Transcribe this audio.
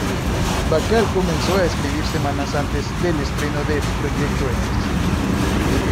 Bacall comenzó a escribir semanas antes del estreno de "Proyecto X".